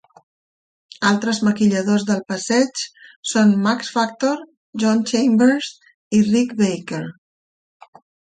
Altres maquilladors del passeig són Max Factor, John Chambers i Rick Baker.